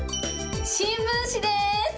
新聞紙です。